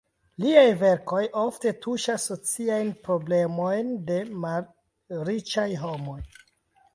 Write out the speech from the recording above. Liaj verkoj ofte tuŝas sociajn problemojn de malriĉaj homoj.